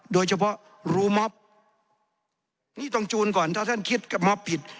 โดยเฉพาะรู้ม็อปนี่ต้องยูนก่อนถ้าท่านคิดว่าม๊อปผิด